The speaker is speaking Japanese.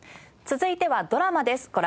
続いてはドラマです。